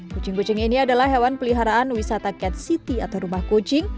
kucing kucing ini adalah hewan peliharaan wisata cat city atau rumah kucing